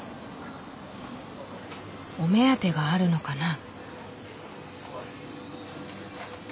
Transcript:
お目当てがあるのかな？